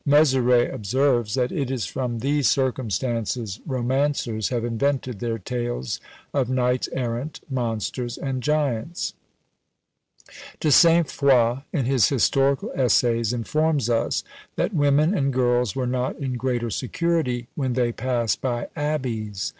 Mezeray observes, that it is from these circumstances romancers have invented their tales of knights errant, monsters, and giants. De Saint Foix, in his "Historical Essays," informs us that "women and girls were not in greater security when they passed by abbeys.